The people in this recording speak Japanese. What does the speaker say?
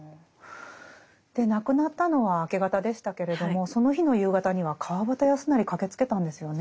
亡くなったのは明け方でしたけれどもその日の夕方には川端康成駆けつけたんですよね。